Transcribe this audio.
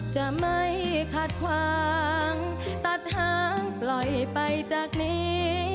จะไม่ขัดขวางตัดหางปล่อยไปจากนี้